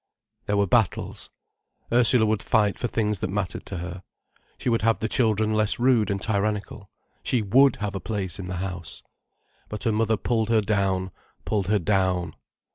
There were battles. Ursula would fight for things that mattered to her. She would have the children less rude and tyrannical, she would have a place in the house. But her mother pulled her down, pulled her down.